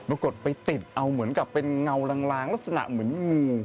ปรากฏไปติดเอาเหมือนกับเป็นเงาลางลักษณะเหมือนงู